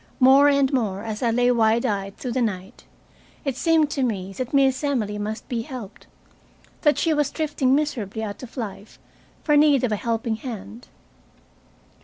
More and more, as I lay wide eyed through the night, it seemed to me that Miss Emily must be helped, that she was drifting miserably out of life for need of a helping hand.